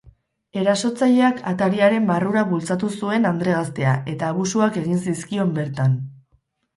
Erasotzaileak atariaren barrura bultzatu zuen andre gaztea, eta abusuak egin zizkion bertan.